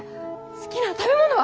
好きな食べ物は？